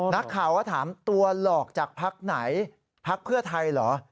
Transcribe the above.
นักข่าวก็ถามตัวหลอกจากพักไหนพักเพื่อไทยเหรอ